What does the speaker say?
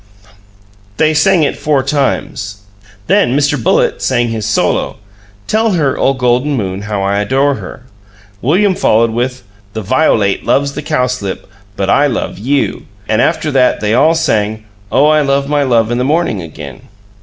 They sang it four times; then Mr. Bullitt sang his solo, "Tell her, O Golden Moon, how I Adore her," William following with "The violate loves the cowslip, but I love YEW," and after that they all sang, "Oh, I love my love in the morning," again.